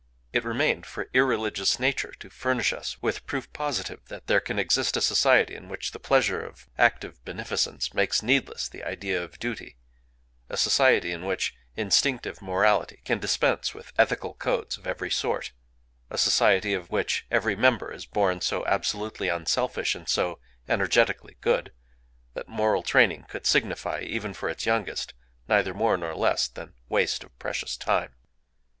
It remained for irreligious Nature to furnish us with proof positive that there can exist a society in which the pleasure of active beneficence makes needless the idea of duty,—a society in which instinctive morality can dispense with ethical codes of every sort,—a society of which every member is born so absolutely unselfish, and so energetically good, that moral training could signify, even for its youngest, neither more nor less than waste of precious time.